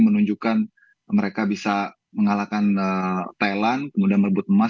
menunjukkan mereka bisa mengalahkan thailand kemudian merebut emas